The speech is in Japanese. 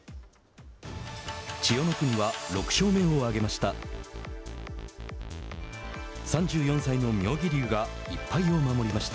千代の国は６勝目を挙げました。